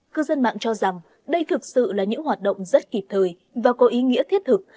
cư dân mạng cho rằng đây thực sự là những hoạt động rất kịp thời và có ý nghĩa thiết thực